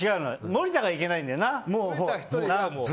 森田がいけないんだよな。